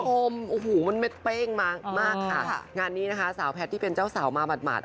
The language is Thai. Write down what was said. คุณผู้ชมโอ้โหมันเด็ดเป้งมามากค่ะงานนี้นะคะสาวแพทย์ที่เป็นเจ้าสาวมาหัดหมาด